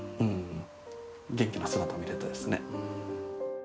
元気な姿を見られるとですね。